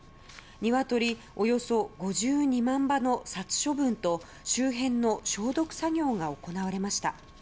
ニワトリおよそ５２万羽の殺処分と周辺の消毒作業が行われました。